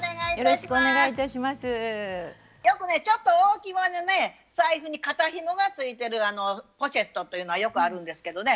よくねちょっと大きめの財布に肩ひもがついてるポシェットというのはよくあるんですけどね